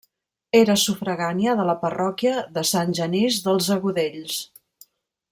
Era sufragània de la parròquia de Sant Genís dels Agudells.